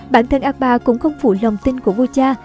bản thân akbar cũng không phụ lòng tin của vua cha